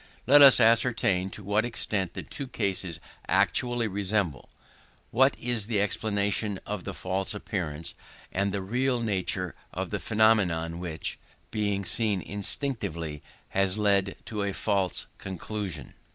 Let us ascertain to what extent the two cases actually resemble; what is the explanation of the false appearance, and the real nature of the phenomenon which, being seen indistinctly, has led to a false conclusion.